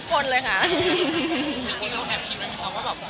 ก็เลยเอาข้าวเหนียวมะม่วงมาปากเทียน